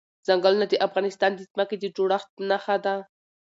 ځنګلونه د افغانستان د ځمکې د جوړښت نښه ده.